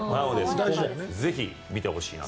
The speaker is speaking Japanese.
ぜひ、見てほしいなと。